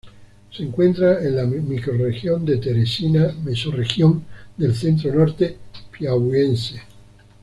Se encuentra en la microrregión de Teresina, mesorregión del Centro-Norte Piauiense.